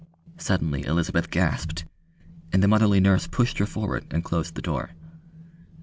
Suddenly Elizabeth gasped, and the motherly nurse pushed her forward and closed the door.